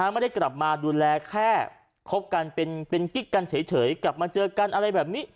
ไม่ได้กลับมาดูแลแค่คบกันเป็นกิ๊กกันเฉยกลับมาเจอกันอะไรแบบนี้